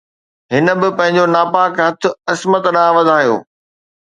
هن به پنهنجو ناپاڪ هٿ عصمت ڏانهن وڌايو